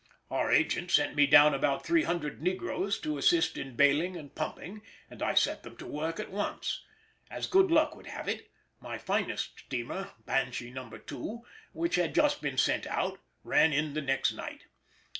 Our agent sent me down about 300 negroes to assist in baling and pumping, and I set them to work at once. As good luck would have it, my finest steamer, Banshee No. 2, which had just been sent out, ran in the next night.